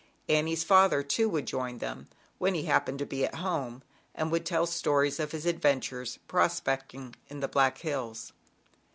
Annie's father, too, would join them when he happened to be at home, and would tell stories of his adventures "prospecting" in the Black Hills.